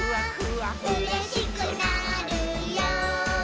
「うれしくなるよ」